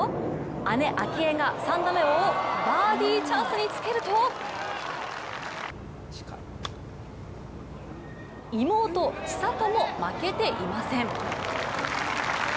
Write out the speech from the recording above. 姉・明愛が３打目をバーディーチャンスにつけると妹・千怜も負けていません。